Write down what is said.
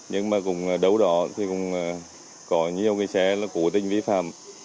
nhưng mà cũng đấu đỏ thì cũng có nhiều cái xe nó cố tinh vi phạm